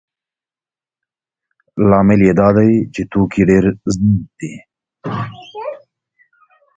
لامل یې دا دی چې توکي ډېر زیات دي